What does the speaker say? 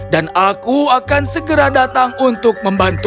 dan aku akan segera datang untuk membahasmu